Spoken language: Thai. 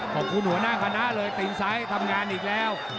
หัวหน้าคณะเลยตีนซ้ายทำงานอีกแล้ว